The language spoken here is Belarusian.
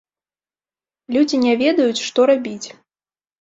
Людзі не ведаюць, што рабіць.